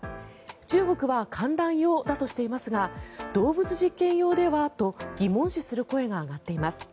中国は観覧用だとしていますが動物実験用ではと疑問視する声が上がっています。